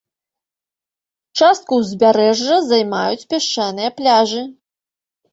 Частку ўзбярэжжа займаюць пясчаныя пляжы.